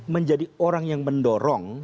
menjadi orang yang mendorong